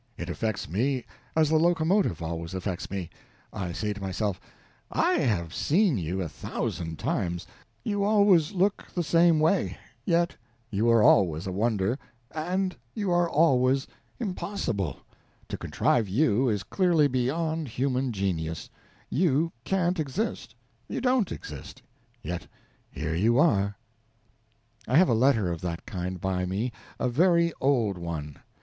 It affects me as the locomotive always affects me: I say to myself, "I have seen you a thousand times, you always look the same way, yet you are always a wonder, and you are always impossible; to contrive you is clearly beyond human genius you can't exist, you don't exist, yet here you are!" I have a letter of that kind by me, a very old one.